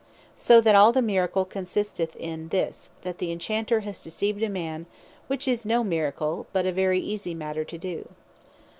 So that all the Miracle consisteth in this, that the Enchanter has deceived a man; which is no Miracle, but a very easie matter to doe.